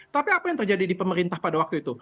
tapi apa yang terjadi di pemerintah pada waktu itu